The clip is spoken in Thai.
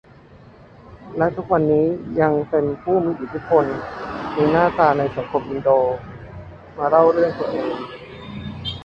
และทุกวันนี้ยังเป็นผู้มีอิทธิพลมีหน้ามีตาในสังคมอินโด มาเล่าเรื่องตัวเอง